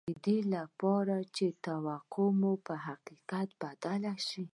د دې لپاره چې توقعات مو په حقيقت بدل شي.